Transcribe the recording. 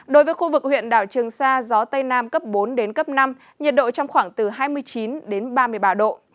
đối với khu vực huyện đảo trường sa gió tây nam cấp bốn đến cấp năm nhiệt độ trong khoảng từ hai mươi chín đến ba mươi ba độ